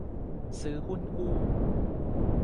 ซื้อหุ้นกู้